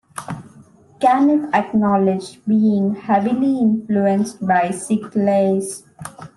Caniff acknowledged being heavily influenced by Sickles.